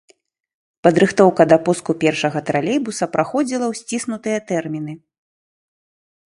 Падрыхтоўка да пуску першага тралейбуса праходзіла ў сціснутыя тэрміны.